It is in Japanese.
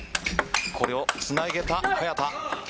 これをつなげた早田。